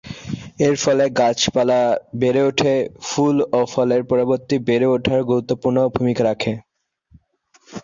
এর ফলে গাছপালা বেড়ে উঠে, ফুল ও ফলের পরবর্তী বেড়ে ওঠায় গুরুত্বপূর্ণ ভূমিকা রাখে।